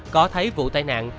có thấy vụ tai nạn